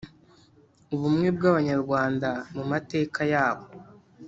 “ubumwe bw’abanyarwanda mu mateka yabo”